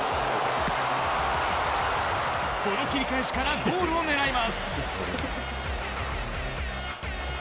この切り返しからゴールを狙います。